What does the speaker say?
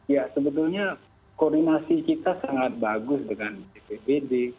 ya sebetulnya koordinasi kita sangat bagus dengan bpbd